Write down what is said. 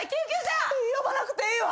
呼ばなくていいわ。